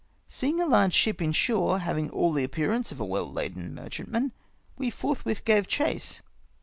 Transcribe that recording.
Seeing a large ship in shore, havmg all the appearance of a well laden merchantman, we forthwith gave chase.